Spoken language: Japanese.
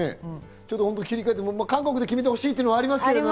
切り替えて、韓国で決めてほしいっていうのはありますけどね。